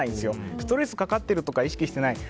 ストレスがかかってるとか意識してない。